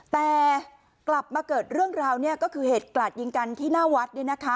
แต่กลับมาเกิดเรื่องราวก็คือเหตุกระหลาดยิงกรรมด์ที่หน้าวัด